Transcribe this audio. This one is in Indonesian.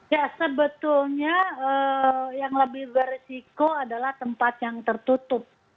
ya sebetulnya yang lebih beresiko adalah tempat yang tertutup